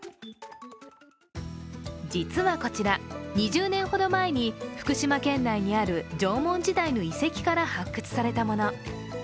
実はこちら、２０年ほど前に福島県内にある縄文時代の遺跡から発掘されたもの。